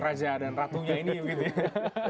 raja dan ratunya ini begitu ya